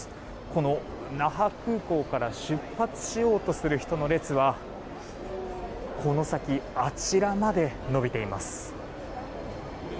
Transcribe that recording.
この那覇空港から出発しようとする人の列はこの先、あちらまで延びています。